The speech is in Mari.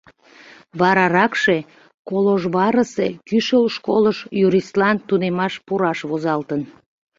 Вараракше Коложварысе кӱшыл школыш юристлан тунемаш пураш возалтын.